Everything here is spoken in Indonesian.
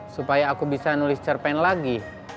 supaya aku bisa nulis cerpen lagi